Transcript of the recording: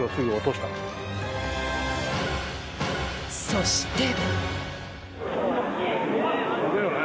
そして。